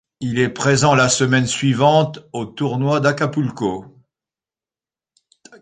Il est présent la semaine suivante au tournoi d'Acapulco.